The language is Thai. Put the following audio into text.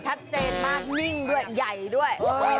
ชัดเจนมากนิ่งด้วยใหญ่ด้วย